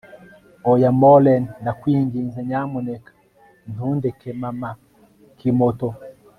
oya maureen, ndakwinginze! nyamuneka ntundeke mama kimotho